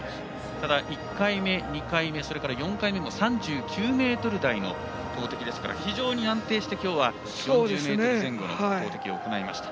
ただ１回目、２回目、４回目も３９ｍ台の投てきですから非常に安定して今日は４０ｍ前後の投てきを行いました。